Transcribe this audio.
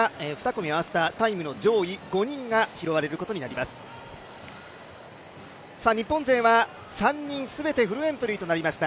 ２組合わせたタイムの上位５人が拾われることになります。